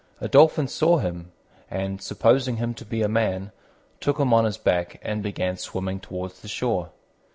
A Dolphin saw him, and, supposing him to be a man, took him on his back and began swimming towards the shore.